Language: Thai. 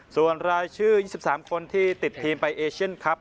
ส่วนรายชื่อ๒๓คนที่ติดทีมไปเอเชียนครับ